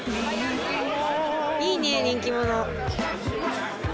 いいね人気者。